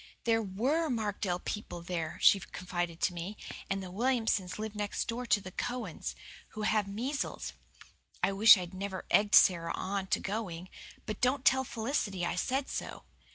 "There WERE Markdale people there," she confided to me, "and the Williamsons live next door to the Cowans, who have measles. I wish I'd never egged Sara on to going but don't tell Felicity I said so.